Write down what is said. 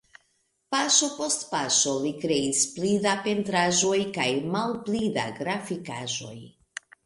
Paŝo post paŝo li kreis pli da pentraĵoj kaj malpli da grafikaĵoj.